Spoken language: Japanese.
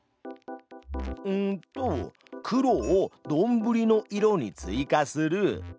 うんと「黒をどんぶりの色に追加する」。